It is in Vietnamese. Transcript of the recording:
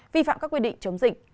vi phạm các quy định chống dịch